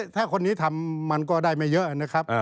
ถ้าคนนี้ทำมันก็ได้ไม่เยอะนะครับ